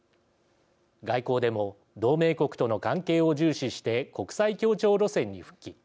外交でも同盟国との関係を重視して国際協調路線に復帰。